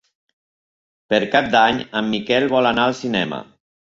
Per Cap d'Any en Miquel vol anar al cinema.